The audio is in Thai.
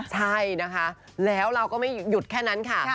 ใช่นะคะแล้วเราก็ไม่หยุดแค่นั้นค่ะ